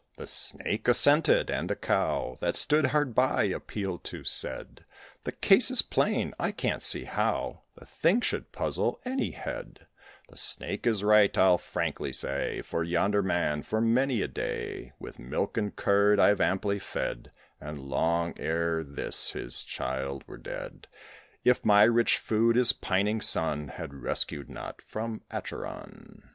The Snake assented; and a Cow That stood hard by, appealed to, said "The case is plain; I can't see how The thing should puzzle any head: The Snake is right, I'll frankly say; For yonder Man, for many a day, With milk and curd I've amply fed, And long ere this his child were dead, If my rich food his pining son Had rescued not from Acheron.